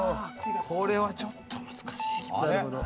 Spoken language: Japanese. これはちょっと難しい気もするな。